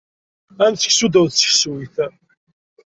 Am seksu ddaw texsayt.